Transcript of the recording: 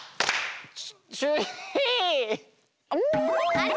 あれ？